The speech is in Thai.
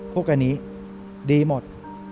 พวกอันนี้ดีหมด